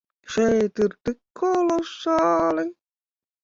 Šeit ir tik kolosāli.